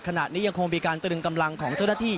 ขณะนี้ยังคงมีการตรึงกำลังของเจ้าหน้าที่